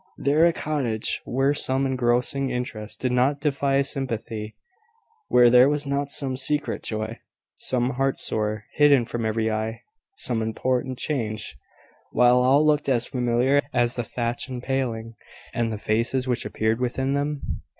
there a cottage where some engrossing interest did not defy sympathy; where there was not some secret joy, some heart sore, hidden from every eye; some important change, while all looked as familiar as the thatch and paling, and the faces which appeared within them?